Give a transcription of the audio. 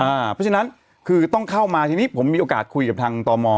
เพราะฉะนั้นคือต้องเข้ามาทีนี้ผมมีโอกาสคุยกับทางตม